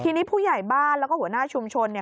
ทีนี้ผู้ใหญ่บ้านแล้วก็หัวหน้าชุมชนเนี่ย